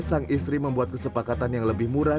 sang istri membuat kesepakatan yang lebih murah